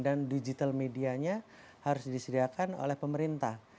dan digital medianya harus disediakan oleh pemerintah